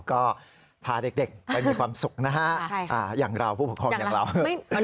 ก็พาเด็กไปมีความสุขนะฮะอย่างเราผู้ปกครองอย่างเรา